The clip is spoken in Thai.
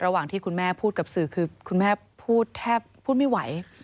ระหว่างที่คุณแม่พูดกับสื่อคือคุณแม่พูดแทบพูดไม่ไหว